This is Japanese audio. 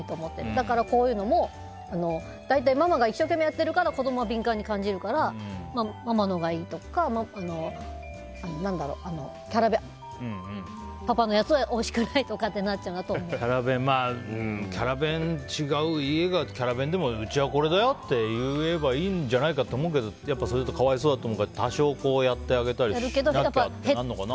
だから、こういうのも大体ママが一生懸命やってるから子供は敏感に感じるからママのほうがいいとかキャラ弁、パパのやつはおいしくないって違う家がキャラ弁でもうちはこれだよって言えばいいんじゃないかって思うけどそれだと可哀想だと思うから多少やってあげたいとかあるのかな。